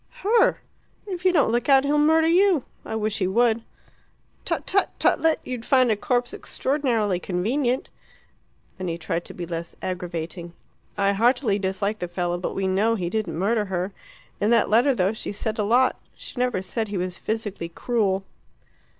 Her. If you don't look out he'll murder you. I wish he would." "Tut tut, tutlet! You'd find a corpse extraordinarily inconvenient." Then he tried to be less aggravating. "I heartily dislike the fellow, but we know he didn't murder her. In that letter, though she said a lot, she never said he was physically cruel."